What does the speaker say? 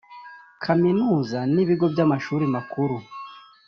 kaminuza n ibigo by amashuri makuru